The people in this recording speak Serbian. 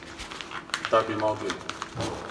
Да би могли.